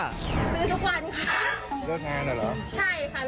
ซื้อทุกวันค่ะ